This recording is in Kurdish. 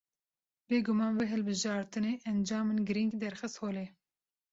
Bê guman vê hilbijartinê, encamên girîng derxist holê